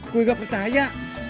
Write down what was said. gue gak percaya